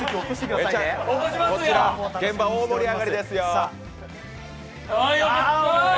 現場、大盛り上がりですよ。